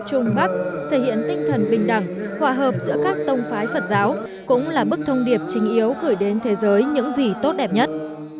trung bắc thể hiện tinh thần bình đẳng hòa hợp giữa các tông phái phật giáo cũng là bức thông điệp chính yếu gửi đến thế giới những gì tốt đẹp nhất